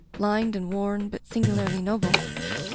Lined and worn but singularly noble.